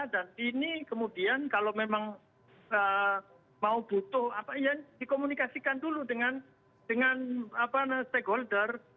dan ini kemudian kalau memang mau butuh ya dikomunikasikan dulu dengan stakeholder